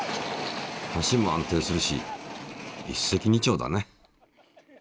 橋も安定するし「一石二鳥」だね。